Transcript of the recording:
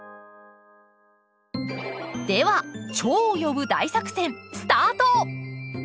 ではチョウを呼ぶ大作戦スタート！